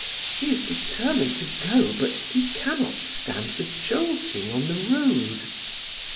He is determined to go, but he cannot stand the jolting on the road."